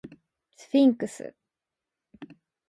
スフィンクス